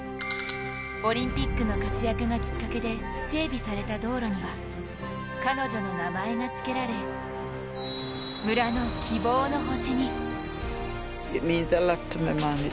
オリンピックの活躍がきっかけで整備された道路には彼女の名前が付けられ村の希望の星に。